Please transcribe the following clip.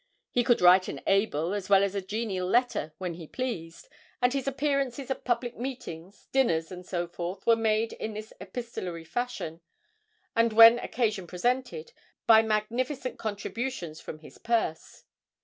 He could write an able as well as a genial letter when he pleased; and his appearances at public meetings, dinners, and so forth were made in this epistolary fashion, and, when occasion presented, by magnificent contributions from his purse.